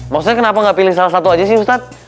maksudnya kenapa nggak pilih salah satu aja sih ustadz